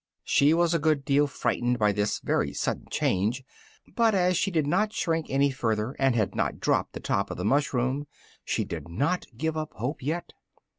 She was a good deal frightened by this very sudden change, but as she did not shrink any further, and had not dropped the top of the mushroom, she did not give up hope yet.